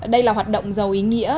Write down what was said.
đây là hoạt động giàu ý nghĩa